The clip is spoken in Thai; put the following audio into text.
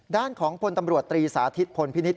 ด้านของพลตำรวจตรีสาธิตพลพินิษฐ